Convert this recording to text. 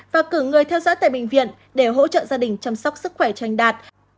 và cử người theo dõi tại bệnh viện để hỗ trợ gia đình chăm sóc sức khỏe tranh đạt